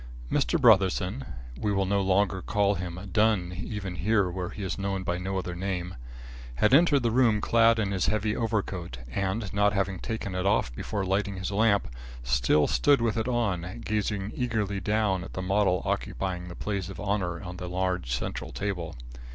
Mr. Brotherson (we will no longer call him Dunn even here where he is known by no other name) had entered the room clad in his heavy overcoat and, not having taken it off before lighting his lamp, still stood with it on, gazing eagerly down at the model occupying the place of honour on the large centre table.